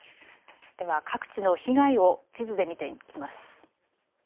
では各地の被害を地図で見ていきます。